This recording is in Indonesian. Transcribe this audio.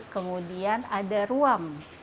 kemudian ada ruam